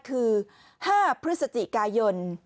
คือ๕พฤศจิกายน